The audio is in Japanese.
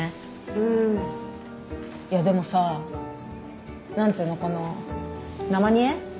うんいやでもさなんつうのかな生煮え？